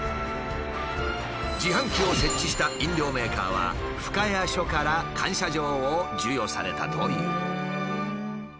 自販機を設置した飲料メーカーは深谷署から感謝状を授与されたという。